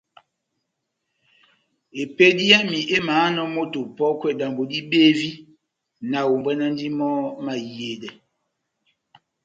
Epédi yami émahánɔ moto opɔ́kwɛ dambo dibevi, nahombwanandi mɔ́ mahiyedɛ.